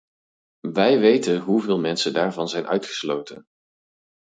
Wij weten hoeveel mensen daarvan zijn uitgesloten.